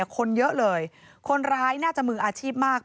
คนเยอะเลยคนร้ายน่าจะมืออาชีพมาก